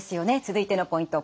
続いてのポイント